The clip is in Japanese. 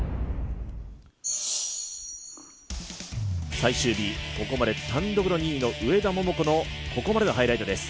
最終日、ここまで単独２位の上田桃子のここまでのハイライトです。